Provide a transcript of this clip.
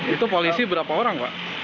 itu polisi berapa orang